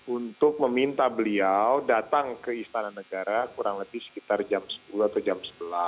untuk meminta beliau datang ke istana negara kurang lebih sekitar jam sepuluh atau jam sebelas